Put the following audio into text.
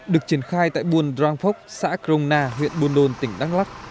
được triển khai tại buồn drangphok xã krong na huyện buôn nôn tỉnh đắk lắk